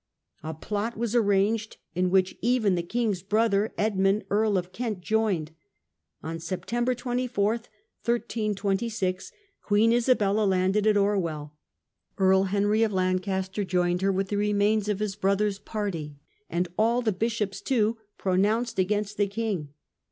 A plot was arranged, in which even the king's brother Edmund, Earl of Kent, joined. On Sep tember 24, 1326, Queen Isabella landed at Orwell. Earl Henry of Lancaster joined her with the remains of his brother's party, and all the bishops, too, pronounced against the king.